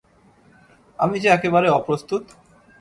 আমি যে একেবারে অপ্রস্তুত।